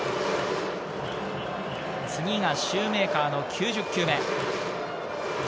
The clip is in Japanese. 次がシューメーカーの９０球目。